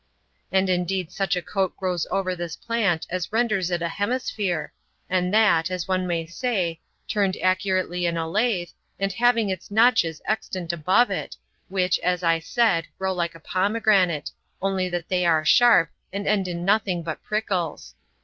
And indeed such a coat grows over this plant as renders it a hemisphere, and that, as one may say, turned accurately in a lathe, and having its notches extant above it, which, as I said, grow like a pomegranate, only that they are sharp, and end in nothing but prickles.